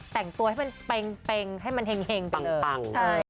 แต่งตัวให้มันแปงให้มันแห่งไปเลย